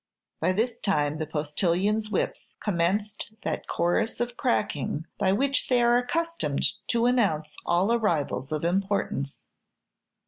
By this time the postilions' whips commenced that chorus of cracking by which they are accustomed to announce all arrivals of importance.